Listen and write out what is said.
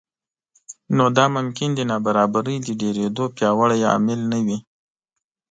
نو دا ممکن د نابرابرۍ د ډېرېدو پیاوړی عامل نه وي